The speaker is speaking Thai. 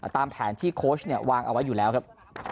ตามแผนที่โค้ชเนี่ยวางเอาไว้อยู่แล้วครับ